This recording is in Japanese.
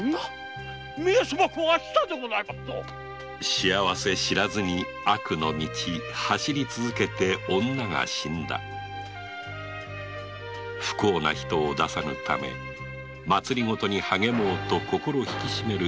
幸せ知らずに悪の道走り続けて女が死んだ不幸な人を出さぬため政に励もうと心引き締める吉宗であった